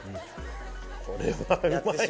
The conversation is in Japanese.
これはうまいな。